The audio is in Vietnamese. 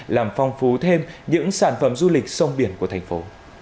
làm phong phú thêm những sản phẩm du lịch sông biển của thành phố